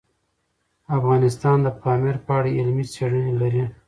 افغانستان د پامیر په اړه علمي څېړنې لري.